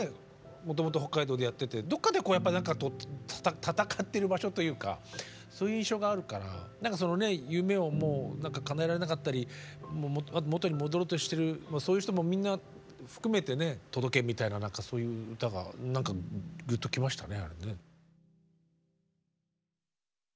もともと北海道でやっててどっかでこうやっぱり戦ってる場所というかそういう印象があるから何かそのね夢をかなえられなかったり元に戻ろうとしてるそういう人もみんな含めてね届けみたいなそういう歌が何かぐっと来ましたね。